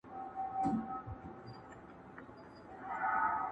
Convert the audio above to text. هم پخپله څاه کینو هم پکښي لوېږو.!